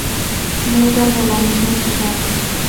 Melgar de la misma ciudad.